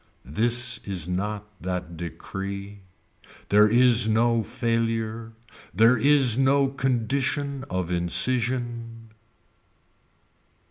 This is not that decree. There is no failure. There is no condition of incision.